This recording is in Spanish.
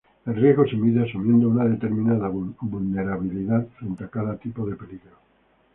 El riesgo se mide asumiendo una determinada vulnerabilidad frente a cada tipo de peligro.